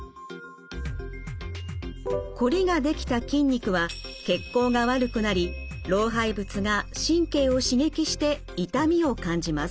こりができた筋肉は血行が悪くなり老廃物が神経を刺激して痛みを感じます。